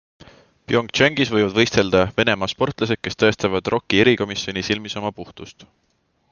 Pyeongchangis võivad võistelda Venemaa sportlased, kes tõestavad ROKi erikomisjoni silmis oma puhtust.